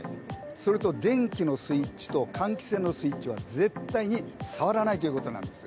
それと電気のスイッチと換気扇のスイッチは絶対に触らないということなんです。